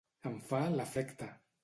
Em fa l'efecte.